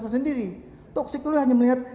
tersendiri toksikologi hanya melihat